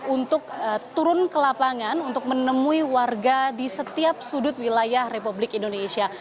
untuk turun ke lapangan untuk menemui warga di setiap sudut wilayah republik indonesia